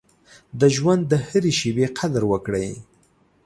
د ژوند د هرې شېبې قدر وکړئ.